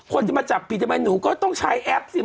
คนที่มาจับปีธรรมินูก็ต้องใช้แอปสิ